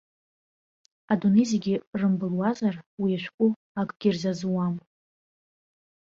Адунеи зегьы рымбылуазар, уи ашәҟәы акгьы рзазуам.